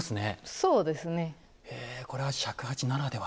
そうですねはい。